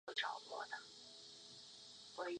山椤为楝科米仔兰属下的一个种。